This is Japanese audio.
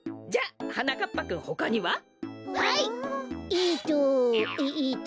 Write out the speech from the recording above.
えっとえっと。